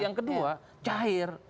yang kedua cair